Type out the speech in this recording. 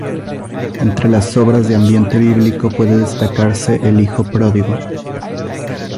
Entre las obras de ambiente bíblico, puede destacarse "El hijo pródigo.